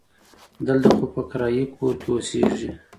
دلته خو په کرایي کور کې اوسیږي.